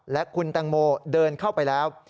และคุณแตงโมเดินเข้าไปแล้ว